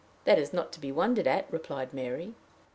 "That is not to be wondered at," replied Mary.